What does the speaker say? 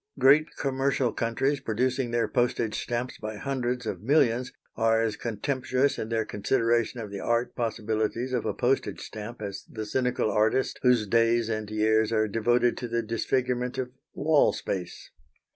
Great commercial countries, producing their postage stamps by hundreds of millions, are as contemptuous in their consideration of the art possibilities of a postage stamp as the cynical artist whose days and years are devoted to the disfigurement of wall space.